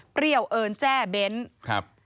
เปรี้ยวเอิญแจ้เบนท์